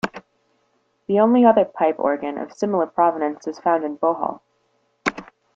The only other pipe organ of similar provenance is found in Bohol.